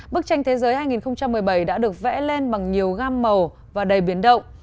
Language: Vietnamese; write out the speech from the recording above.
bức tranh thế giới hai nghìn một mươi bảy đã được vẽ lên bằng nhiều gam màu và đầy biến động